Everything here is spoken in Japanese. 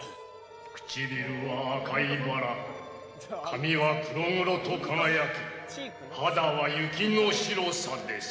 唇は赤いバラ、髪は黒々と輝き肌は雪の白さです。